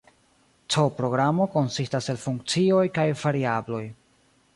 C-programo konsistas el funkcioj kaj variabloj.